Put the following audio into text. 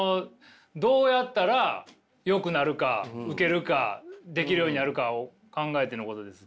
どうやったらよくなるかウケるかできるようになるかを考えてのことです。